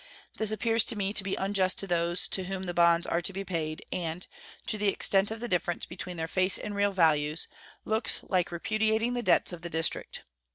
This appears to me to be unjust to those to whom these bonds are to be paid, and, to the extent of the difference between their face and real value, looks like repudiating the debts of the District.